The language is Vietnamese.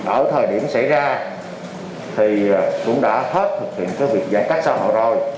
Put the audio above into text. ở thời điểm xảy ra thì cũng đã hết thực hiện cái việc giãn cách xã hội rồi